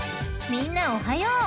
［みんなおはよう。